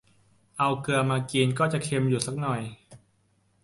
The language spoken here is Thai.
เอาเกลือมากินก็จะเค็มอยู่สักหน่อย